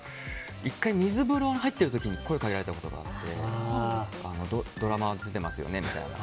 １回、水風呂に入ってる時に声掛けられたことがあってドラマ出てますよねみたいな。